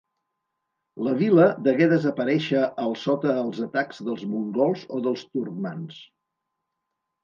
La vila degué desaparèixer al sota els atacs dels mongols o dels turcmans.